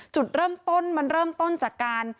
จุดเริ่มต้นมันเริ่มต้นจากการ